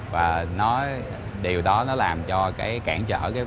và điều đó nó làm cho cái cản trở